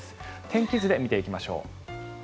天気図で見ていきましょう。